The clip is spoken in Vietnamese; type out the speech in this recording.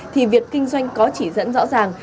thì việc kinh doanh có chỉ dẫn rõ ràng